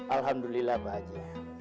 alhamdulillah pak haji